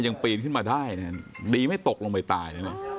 ยังปรีนขึ้นมาได้เนี้ยดีไม่ตกลงไปตาย